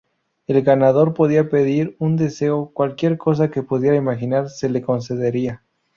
El Ganador podría pedir un deseo, cualquier cosa que pudiera imaginar se le concedería.